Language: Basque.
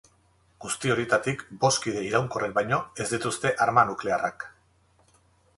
Guzti horietatik, bost kide iraunkorrek baino ez dituzte arma nuklearrak.